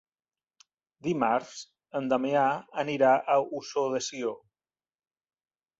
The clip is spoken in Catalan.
Dimarts en Damià anirà a Ossó de Sió.